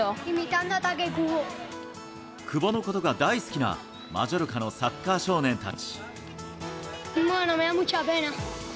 久保のことが大好きなマジョルカのサッカー少年たち。